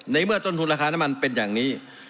เมื่อต้นทุนราคาน้ำมันเป็นอย่างนี้